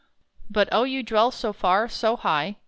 But Oh, you dwell so far so high!